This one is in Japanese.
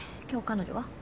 今日彼女は？